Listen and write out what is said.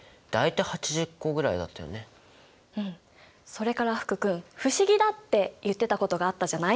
それから福君不思議だって言ってたことがあったじゃない？